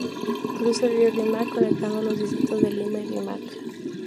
Cruza el río Rímac conectando los distritos de Lima y Rímac.